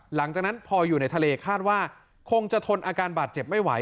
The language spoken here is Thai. หลังจากนั้นพออยู่ในทะเลคาดว่าคงจะทนอาการบาดเจ็บไม่ไหว